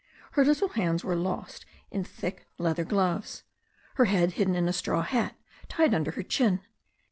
Her little hands were lost in thick leather gloves, her head hidden in a straw hat tied under her chin.